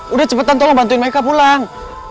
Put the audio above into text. udah cepetan tolong bantuin mereka pulang